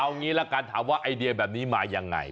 เอางี้ละกันถามว่าไอเดียแบบนี้มายังไง